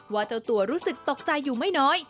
เจ้าตัวรู้สึกตกใจอยู่ไม่น้อย